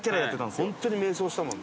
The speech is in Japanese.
本当に迷走したもんね。